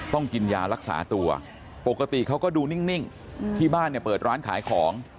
ต้องกินยารักษาตัวปกติเขาก็ดูนิ่งที่บ้านเนี่ยเปิดร้านขายของ